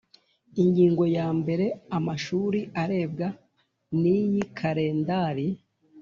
Ingingo yambere Amashuri arebwa n iyi kalendari